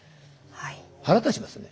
腹立ちますね。